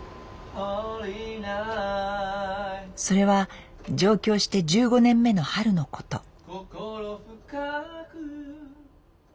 それは上京して１５年目の春のこと。